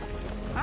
あ？